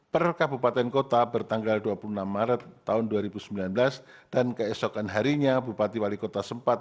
per kabupaten kota bertanggal dua puluh enam maret tahun dua ribu sembilan belas dan keesokan harinya bupati wali kota sempat